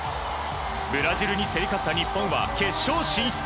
ブラジルに競り勝った日本は決勝進出。